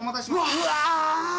うわ！